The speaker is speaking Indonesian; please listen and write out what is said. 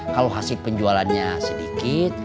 kalau hasil penjualannya sedikit